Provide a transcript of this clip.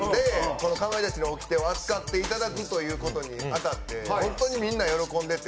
この『かまいたちの掟』を扱っていただくという事に当たって本当にみんな喜んでて。